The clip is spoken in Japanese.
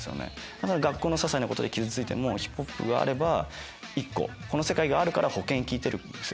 だから学校のささいなことで傷ついてもＨＩＰＨＯＰがあれば１個この世界があるから保険効いてるんですよ